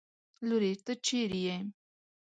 لورې! ته چېرې يې؟